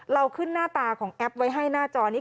เราขึ้นหน้าตาของแอปไว้ให้หน้าจอนี้